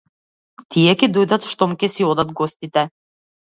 Тие ќе дојдат штом ќе си отидат гостите.